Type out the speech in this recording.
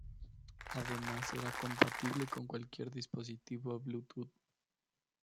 Además será compatible con cualquier dispositivo Bluetooth.